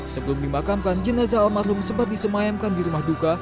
sebelum dimakamkan jenazah almarhum sempat disemayamkan di rumah duka